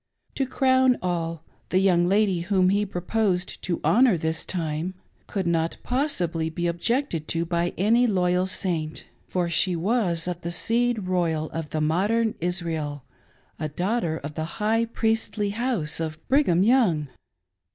" To crown all, the young lady whom he proposed to honor this time could not possibly be objected to by any loyal Saint, for she was of the seed royal of the rnqdern Israel — a daughter of the high priestly house of Brigham Young